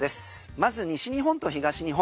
まず西日本と東日本